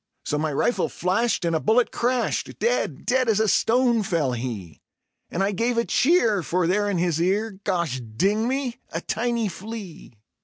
So my rifle flashed, and a bullet crashed; dead, dead as a stone fell he, And I gave a cheer, for there in his ear Gosh ding me! a tiny flea.